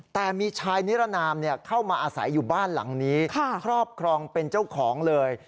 แต่มีชายนิรนามเข้ามาอาศัยอยู่บ้านหลังนี้ครอบครองเป็นเจ้าของเลย